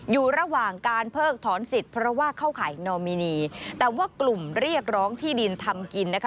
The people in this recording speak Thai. อยู่ระหว่างการเพิกถอนสิทธิ์เพราะว่าเข้าข่ายนอมินีแต่ว่ากลุ่มเรียกร้องที่ดินทำกินนะคะ